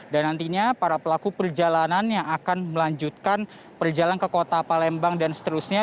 nantinya para pelaku perjalanan yang akan melanjutkan perjalanan ke kota palembang dan seterusnya